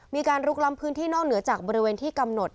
มีการลุกล้ำพื้นที่นอกเหนือจากบริเวณที่กำหนด